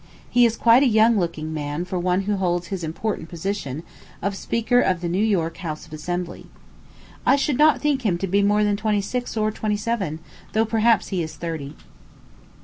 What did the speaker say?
He is quite a young looking man for one who holds his important position of speaker of the New York House of Assembly. I should not think him to be more than twenty six or twenty seven, though perhaps he is thirty.